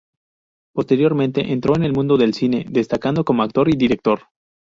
Posteriormente entró en el mundo del cine, destacando como actor y director.